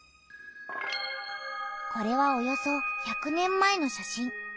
これはおよそ１００年前の写真。